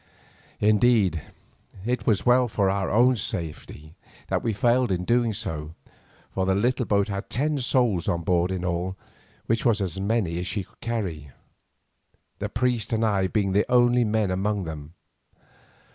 Indeed, it was well for our own safety that we failed in so doing, for the little boat had ten souls on board in all, which was as many as she could carry—the priest and I being the only men among them.